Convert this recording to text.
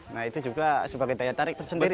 nah itu juga sebagai daya tarik tersendiri